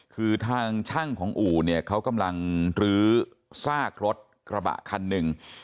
คือทางช่างของอู่เนี่ยเขากำลังลื้อซากรถกระบะคันหนึ่ง